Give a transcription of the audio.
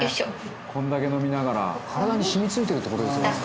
こんだけ飲みながら」「体に染み付いてるって事ですよね」